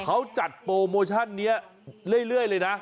เขาจัดโปรโมชั่นนี้เรื่อยเลยนะ